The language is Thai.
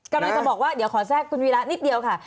กำลังจะบอกว่าเดี๋ยวขอแทรกคุณวีระนิดเดียวค่ะ